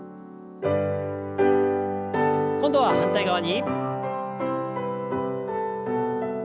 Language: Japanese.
今度は反対側に。